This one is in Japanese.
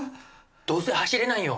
どうせ走れないよ。